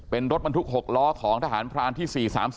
เป็นรถบรรทุก๖ล้อของทหารพรานที่๔๓๔